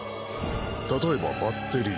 例えばバッテリー。